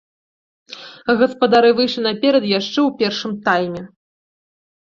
Гаспадары выйшлі наперад яшчэ ў першым тайме.